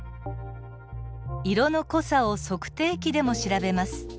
色の濃さを測定器でも調べます。